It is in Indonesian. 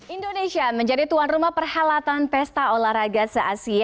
indonesia menjadi tuan rumah perhelatan pesta olahraga se asia